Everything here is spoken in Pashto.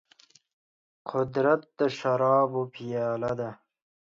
قدرت د شرابو پياله ده.